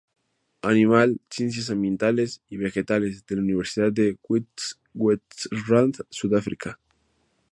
Animal, Ciencias Ambientales y Vegetales, de la Universidad de Witwatersrand, Sudáfrica.